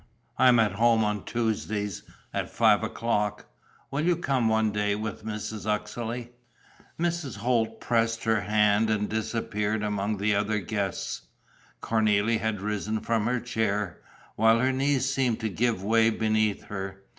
I am at home on Tuesdays, at five o'clock. Will you come one day with Mrs. Uxeley?" Mrs. Holt pressed her hand and disappeared among the other guests. Cornélie had risen from her chair, while her knees seemed to give way beneath her.